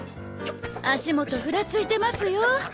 足元ふらついてますよォ。